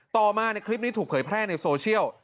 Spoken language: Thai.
ต่อมาคลิปนี้ถูกเผยแพร่ในโซเชียล